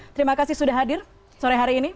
terima kasih sudah hadir sore hari ini